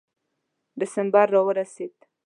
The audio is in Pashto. ډسمبر را ورسېد.